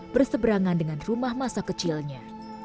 berseberangan dengan rumah masa kecilnya